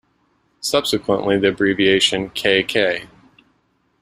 Subsequently, the abbreviation k.k.